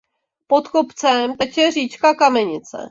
Pod kopcem teče říčka Kamenice.